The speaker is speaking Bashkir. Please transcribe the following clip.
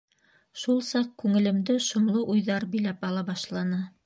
Шул саҡ күңелемде шомло уйҙар биләп ала башланы.